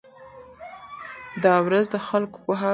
دا ورځ د خلکو پوهاوی زیاتوي.